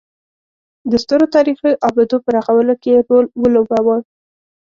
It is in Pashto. د سترو تاریخي ابدو په رغولو کې یې رول ولوباوه.